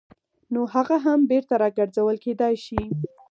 نو هغه هم بېرته راګرځول کېدای شي.